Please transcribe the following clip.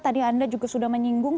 tadi anda juga sudah menyinggung